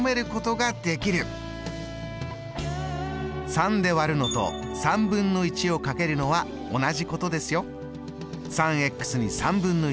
３で割るのとをかけるのは同じことですよ。